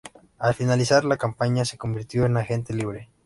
Al finalizar la campaña se convirtió en agente libre.